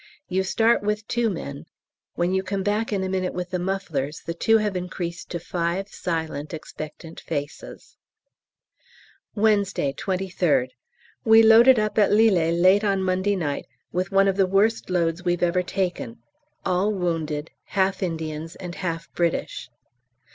You start with two men; when you come back in a minute with the mufflers the two have increased to five silent expectant faces. Wednesday, 23rd. We loaded up at Lillers late on Monday night with one of the worst loads we've ever taken, all wounded, half Indians and half British.